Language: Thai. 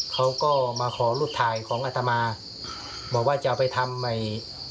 เขาก็มาขอรูปถ่ายของอัตมาบอกว่าจะเอาไปทำใหม่